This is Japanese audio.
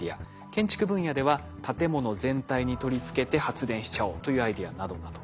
建築分野では建物全体に取り付けて発電しちゃおうというアイデアなどなど。